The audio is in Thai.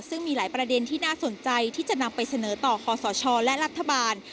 ซึ่งมีหลายประเด็นที่น่าสนใจที่จะนำไปเสนอต่อคอสชและรัฐบาล